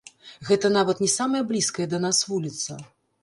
Гэта нават не самая блізкая да нас вуліца.